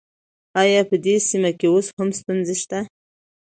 آيا په دې سيمه کې اوس هم ستونزې شته؟